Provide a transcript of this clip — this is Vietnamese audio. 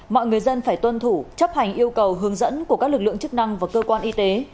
mọi người dân phải tuân thủ chấp hành yêu cầu hướng dẫn của các lực lượng chức năng và cơ quan y tế